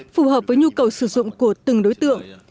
phù hợp với nhu cầu sử dụng của từng đối tượng